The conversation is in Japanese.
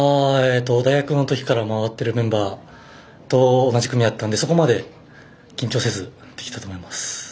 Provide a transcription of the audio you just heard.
大学のときから回ってるメンバーと同じ組だったんで底まで緊張せずできたと思います。